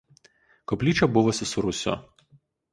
Koplyčia buvusi su rūsiu.